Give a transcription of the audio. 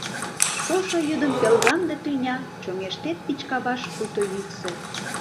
Шошо йӱдым пелганде тӱня, Чоҥештет пич каваш пуйто йӱксӧ.